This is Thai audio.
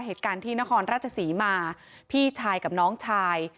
เหตุการณ์ที่นครราชศรีมาพี่ชายกับน้องชาย